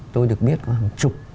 tôi được biết có hàng chục